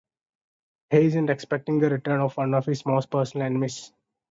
He isn't expecting the return of one of his most personal enemies...